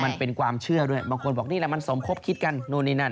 มันเป็นความเชื่อด้วยบางคนบอกนี่แหละมันสมคบคิดกันนู่นนี่นั่น